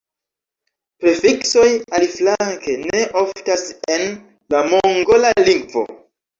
Prefiksoj, aliflanke, ne oftas en la mongola lingvo.